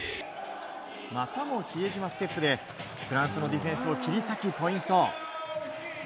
またも比江島ステップでフランスのディフェンスを切り裂き、ポイント。